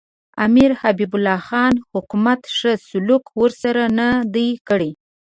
امیر حبیب الله خان حکومت ښه سلوک ورسره نه دی کړی.